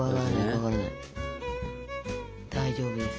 大丈夫です。